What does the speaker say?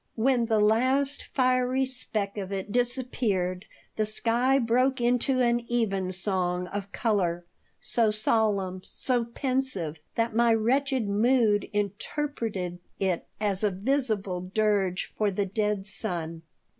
When the last fiery speck of it disappeared the sky broke into an evensong of color so solemn, so pensive that my wretched mood interpreted it as a visible dirge for the dead sun.